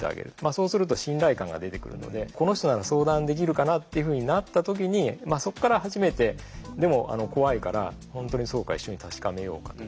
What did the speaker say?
そうすると信頼感が出てくるのでこの人なら相談できるかなっていうふうになった時にまあそっから初めてでも怖いから本当にそうか一緒に確かめようかとかね。